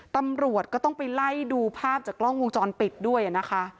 ตำรวจก็ต้องไปไล่ดูภาพจากกล้องวงจรปิดด้วยนะคะ